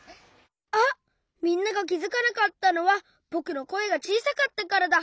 あっみんながきづかなかったのはぼくのこえがちいさかったからだ。